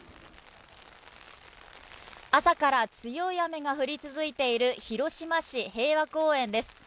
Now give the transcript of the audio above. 朝から強い雨が降り続いている広島市平和公園です。